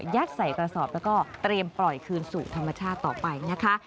ใส่กระสอบแล้วก็เตรียมปล่อยคืนสู่ธรรมชาติต่อไปนะคะ